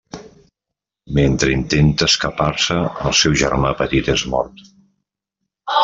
Mentre intenta escapar-se, el seu germà petit és mort.